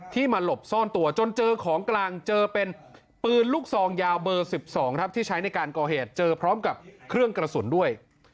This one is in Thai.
มาหลบซ่อนตัวจนเจอของกลางเจอเป็นปืนลูกซองยาวเบอร์๑๒ครับที่ใช้ในการก่อเหตุเจอพร้อมกับเครื่องกระสุนด้วย